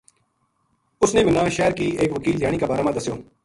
اُس نے مَنا شہر گی ایک وکیل دھیانی کا بارا ما دَسیو